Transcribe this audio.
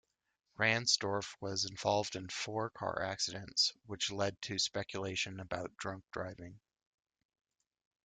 Ransdorf was involved in four car accidents, which led to speculation about drunk driving.